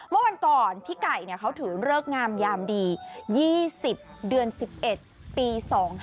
เมื่อวันก่อนพี่ไก่เขาถือเลิกงามยามดี๒๐เดือน๑๑ปี๒๕๖